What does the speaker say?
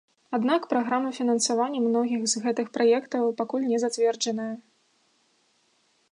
Аднак праграма фінансавання многіх з гэтых праектаў пакуль не зацверджаная.